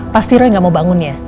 pasti roy gak mau bangun ya